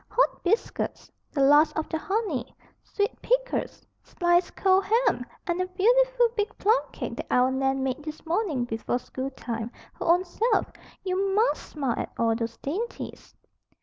"Hot biscuit; the last of the honey; sweet pickles; sliced cold ham; and a beautiful big plum cake that our Nan made this morning before school time, her own self. You MUST smile at all those dainties."